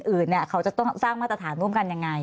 อื่นเนี่ยเขาจะต้องสร้างมาตรฐานร่วมกันยังไง